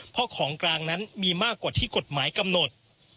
เพราะของกลางนั้นมีมากกว่าที่กฎหมายกำหนด